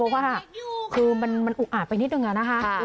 เพราะว่าคือมันอุกอาดไปนิดนึงอะนะคะ